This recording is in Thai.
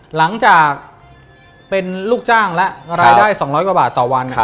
หลังจากเป็นลูกจ้างและรายได้๒๐๐กว่าบาทต่อวัน